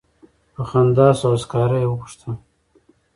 په خندا شو او سکاره یې وپوښتل.